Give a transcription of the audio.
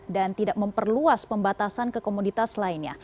dan tidak memperluas pembatasan kekomoditas lainnya